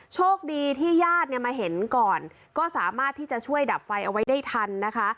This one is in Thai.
โชคดีที่ญาติเนี่ยมาเห็นก่อนก็สามารถที่จะช่วยดับไฟเอาไว้ได้ทันนะคะ